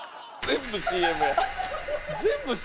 全部ＣＭや。